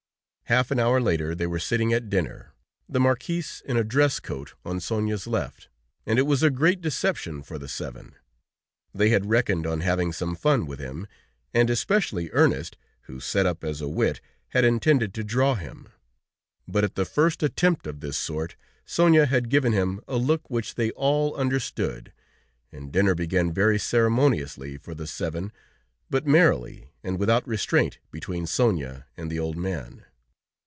Half an hour later they were sitting at dinner, the Marquis in a dress coat on Sonia's left, and it was a great deception for the seven. They had reckoned on having some fun with him, and especially Ernest, who set up as a wit, had intended to draw him. But at the first attempt of this sort, Sonia had given him a look which they all understood, and dinner began very ceremoniously for the seven, but merrily and without restraint between Sonia and the old man.